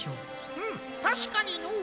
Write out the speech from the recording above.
ふむたしかにのう。